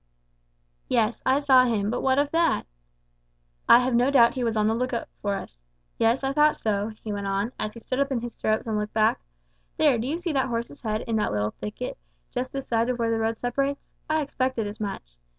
"Yes, I saw him; but what of that?" "I have no doubt he was on the lookout for us. Yes, I thought so," he went on, as he stood up in his stirrups and looked back; "there, do you see that horse's head in that little thicket, just this side of where the road separates? I expected as much.